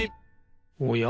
おや？